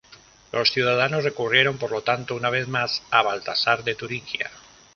Los ciudadanos recurrieron, por lo tanto, una vez más a Baltasar de Turingia.